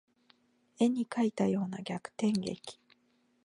絵に描いたような逆転劇